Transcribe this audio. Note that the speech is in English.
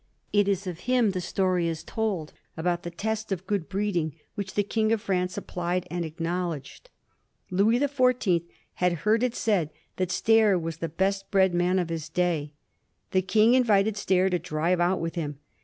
It is of him the story is told about the test of good breeding which the King of France applied and acknowledged. Louis the Four teenth had heard it said that Stair was the best bred man of his day. The King invited Stair to drive out with him.